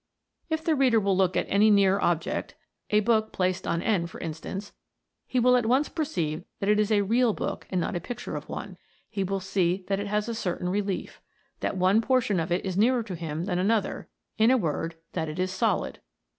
If the reader will look at any near object, a book placed on end, for instance, he will at once perceive that it is a real book and not a picture of one ; he will see that it has a cer tain relief; that one portion of it is nearer to him than another ; in a word, that it is solid.